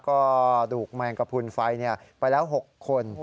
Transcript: ก็ถูกแมงกระพุนไฟไปแล้ว๖คน